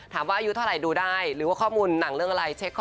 ถามว่าอายุเท่าไหร่ดูได้หรือว่าข้อมุนหนังมีอะไร